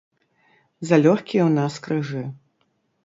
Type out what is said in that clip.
Залёгкія ў нас крыжы.